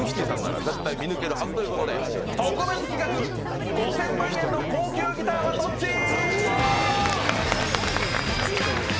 さんなら必ず見抜けるはずということで特別企画、５０００万円の高級ギターはどっち？